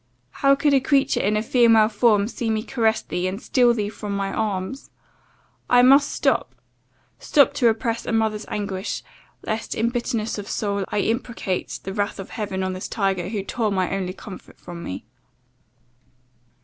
How could a creature in a female form see me caress thee, and steal thee from my arms! I must stop, stop to repress a mother's anguish; lest, in bitterness of soul, I imprecate the wrath of heaven on this tiger, who tore my only comfort from me.